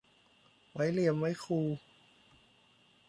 ไว้เหลี่ยมไว้คู